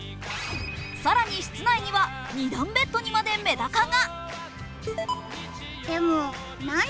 更に室内には２段ベッドにまでめだかが。